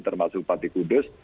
termasuk bupati kudus